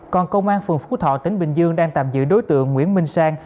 còn công an phường phú thọ tỉnh bình dương đang tạm giữ đối tượng nguyễn minh sang